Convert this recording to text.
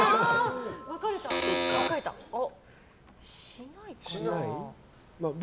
しないかな。